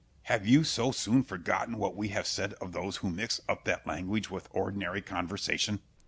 Have you so soon forgotten what we have said of those who mix up that language with ordinary conversation?